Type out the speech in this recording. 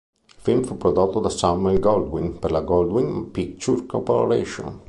Il film fu prodotto da Samuel Goldwyn per la Goldwyn Pictures Corporation.